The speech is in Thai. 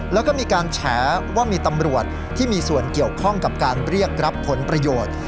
แล้วก็มีการแฉว่ามีตำรวจที่มีส่วนเกี่ยวข้องกับการเรียกรับผลประโยชน์